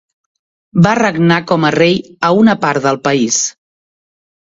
Va regnar com a rei a una part del país.